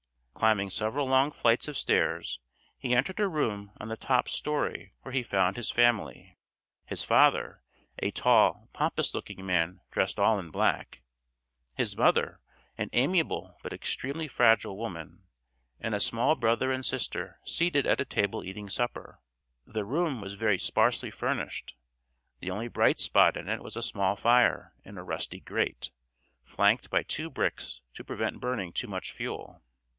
Climbing several long flights of stairs he entered a room on the top story where he found his family, his father, a tall pompous looking man dressed all in black, his mother, an amiable but extremely fragile woman, and a small brother and sister seated at a table eating supper. The room was very sparsely furnished; the only bright spot in it was a small fire in a rusty grate, flanked by two bricks to prevent burning too much fuel.